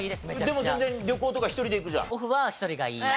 でも全然旅行とか一人で行くじゃん。